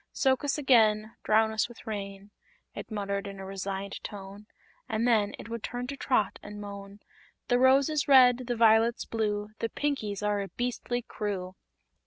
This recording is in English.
"Soak us again Drown us with rain!" it muttered in a resigned tone; and then it would turn to Trot and moan: "The rose is red, the violet's blue; The Pinkies are a beastly crew!"